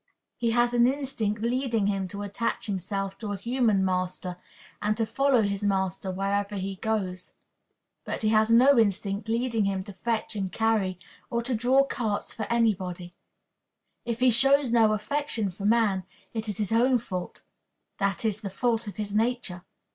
He has an instinct leading him to attach himself to a human master, and to follow his master wherever he goes. But he has no instinct leading him to fetch and carry, or to draw carts for any body. If he shows no affection for man, it is his own fault that is, the fault of his nature.